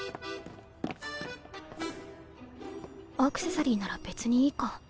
アクセサリーなら別にいいか